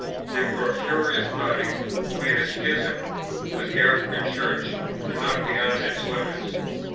They were a furious party who made a schism within the African Church, and not beyond its limits.